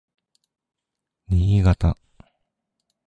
Niigata